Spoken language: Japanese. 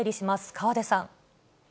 河出さん。